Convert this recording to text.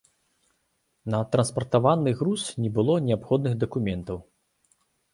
На транспартаваны груз не было неабходных дакументаў.